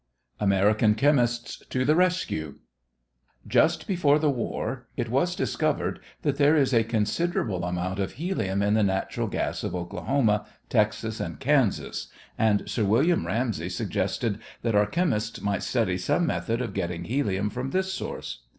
AMERICAN CHEMISTS TO THE RESCUE Just before the war it was discovered that there is a considerable amount of helium in the natural gas of Oklahoma, Texas, and Kansas, and Sir William Ramsey suggested that our chemists might study some method of getting helium from this source.